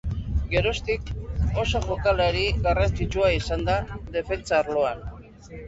Geroztik, oso jokalari garrantzitsua izan da defentsa arloan.